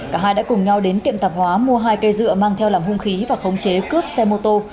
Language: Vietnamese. cả hai đã cùng nhau đến kiệm tạp hóa mua hai cây dựa mang theo làm hung khí và khống chế cướp xe mô tô